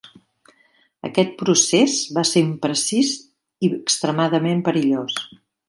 Aquest procés va ser imprecís i extremadament perillós.